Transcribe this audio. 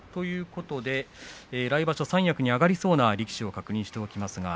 来場所三役に上がりそうな力士を確認しておきます。